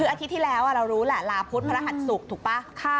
คืออาทิตย์ที่แล้วเรารู้แหละลาพุธพระรหัสศุกร์ถูกป่ะ